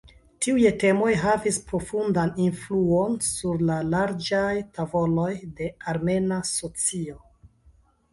Tiuj temoj havis profundan influon sur larĝaj tavoloj de armena socio.